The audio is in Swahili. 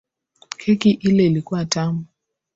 Keki ile ilikuwa tamu.